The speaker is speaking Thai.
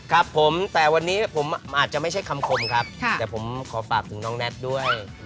ครับผมแต่วันนี้ผมอาจจะไม่ใช่คำคมครับแต่ผมขอฝากถึงน้องแน็ตด้วย